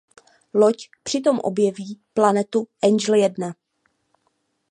Loď přitom objeví planetu Angel jedna.